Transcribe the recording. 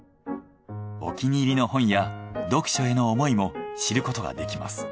お気に入りの本や読書への思いも知ることができます。